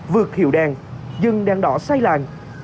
vượt hiệu đàn dân đàn đỏ say làng